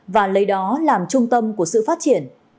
và lấy đó làm trung tâm của sự phát triển